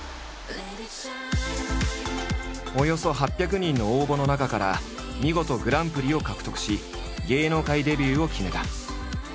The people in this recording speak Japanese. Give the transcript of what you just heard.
およそ８００人の応募の中から見事グランプリを獲得し芸能界デビューを決めた。